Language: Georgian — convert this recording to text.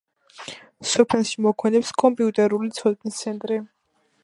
სოფელში მოქმედებს კომპიუტერული ცოდნის ცენტრი.